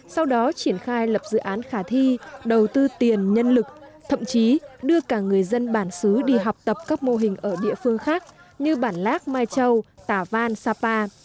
sau đó triển khai lập dự án khả thi đầu tư tiền nhân lực thậm chí đưa cả người dân bản xứ đi học tập các mô hình ở địa phương khác như bản lác mai châu tả văn sapa